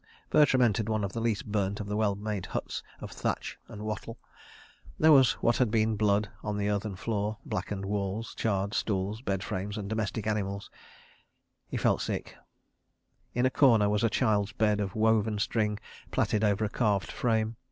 Bertram entered one of the least burnt of the well made huts of thatch and wattle. There was what had been blood on the earthen floor, blackened walls, charred stools, bed frames and domestic utensils. He felt sick. ... In a corner was a child's bed of woven string plaited over a carved frame.